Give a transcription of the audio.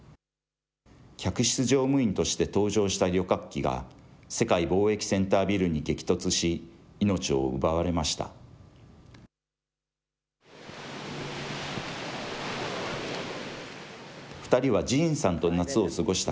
客室乗務員として搭乗した旅客機が、世界貿易センタービルに激突し、命を奪われました。